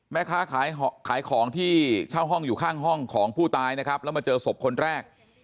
แม่ค้าขายของที่เช่าห้องอยู่ข้างห้องของผู้ตายนะครับแล้วมาเจอศพคนแรก